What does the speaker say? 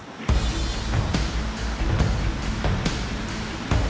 jangan lupa like share dan subscribe channel ini